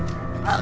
あ！